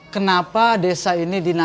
berapa tidur poderiaa